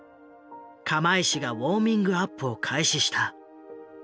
釜石がウォーミングアップを開始した。